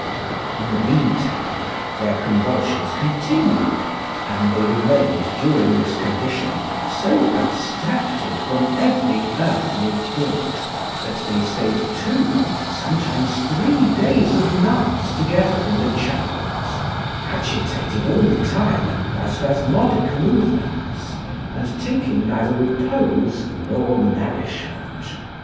In the meantime their convulsions continued, and they remained during this condition so abstracted from every earthly thought that they stayed two and sometimes three days and nights together in the chapels, agitated all the time by spasmodic movements, and taking neither repose nor nourishment.